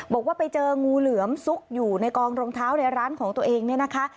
บอกว่าไปเจองูเหลือมซุกอยู่ในกองรองเท้าในร้านของตัวเองเนี่ยนะคะ